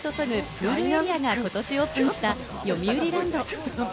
プールエリアがことしオープンした、よみうりランド。